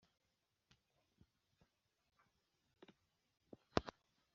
ugumye uvunye unyumve: ukomeze umpe akanya unyumve kuvunya ni